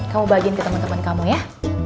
kamu bagiin ke temen temen kamu ya